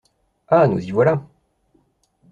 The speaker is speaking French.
Ah ! nous y voilà !